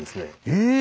え！